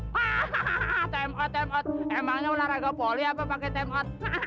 ha ha ha time out time out emangnya ular agapoli apa pakai time out